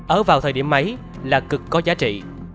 ở vào thời điểm ấy là cực có giá trị